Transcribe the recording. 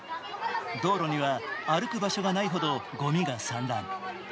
道路には歩く場所がないほど、ごみが散乱。